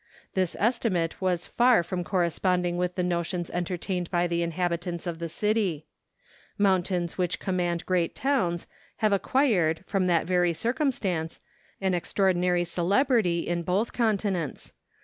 This estimate was far from corresponding with the notions entertained by the inhabitants of the city Moun¬ tains which command great towns, have acquired, from that very circumstance, an extraordinary cele¬ brity in both continents.